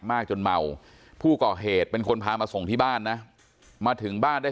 จนเมาผู้ก่อเหตุเป็นคนพามาส่งที่บ้านนะมาถึงบ้านได้